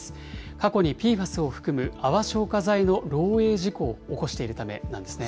過去にＰＦＡＳを含む泡消火剤の漏えい事故を起こしているためなんですね。